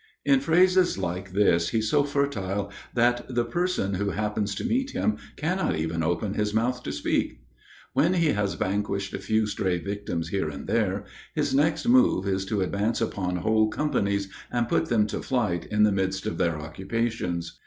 In phrases like this he's so fertile that the person who happens to meet him cannot even open his mouth to speak. When he has vanquished a few stray victims here and there, his next move is to advance upon whole companies and put them to flight in the midst of their occupations.